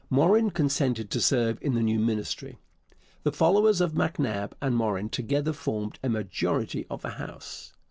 Morin consented to serve in the new Ministry. The followers of MacNab and Morin together formed a majority of the House.